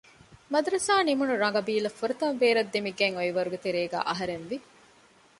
މަދުރަސާ ނިމުނު ރަނގަބީލަށް ފުރަތަމަ ބޭރަށް ދެމިގަތް އޮއިވަރުގެ ތެރޭގައި އަހަރެން ވި